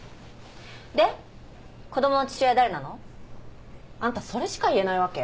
で子供の父親誰なの？あんたそれしか言えないわけ？